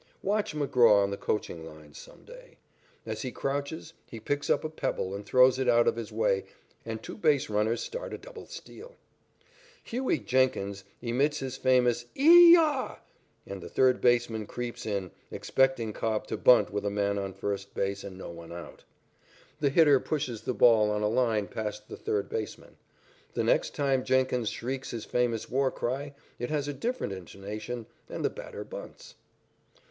Watch McGraw on the coaching lines some day. As he crouches, he picks up a pebble and throws it out of his way, and two base runners start a double steal. "Hughie" Jennings emits his famous "Ee Yaah!" and the third baseman creeps in, expecting Cobb to bunt with a man on first base and no one out. The hitter pushes the ball on a line past the third baseman. The next time Jennings shrieks his famous war cry, it has a different intonation, and the batter bunts.